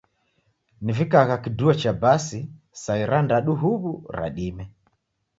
Nivikagha kiduo cha basi saa irandadu huw'u ra dime.